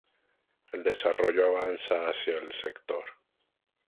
El desarrollo avanza hacia el sector.